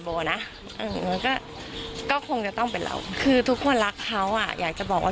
โบนะเออก็ก็คงจะต้องเป็นเราคือทุกคนรักเขาอ่ะอยากจะบอกว่า